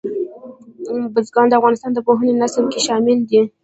بزګان د افغانستان د پوهنې نصاب کې شامل دي.